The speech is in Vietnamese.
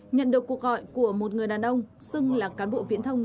nhận được cuộc gọi của một người đàn ông xưng là cán bộ viễn thông